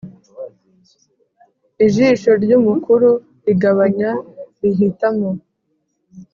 Ijisho ry’umukuru rigabanya rihitamo